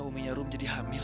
uminya rum jadi hamil